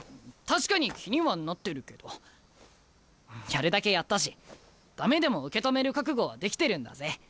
確かに気にはなってるけどやるだけやったし駄目でも受け止める覚悟はできてるんだぜ。